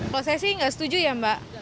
kalau saya sih nggak setuju ya mbak